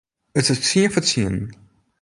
It is tsien foar tsienen.